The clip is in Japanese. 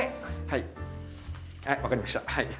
はい分かりました。